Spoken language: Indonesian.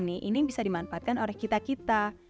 ini bisa dimanfaatkan oleh kita kita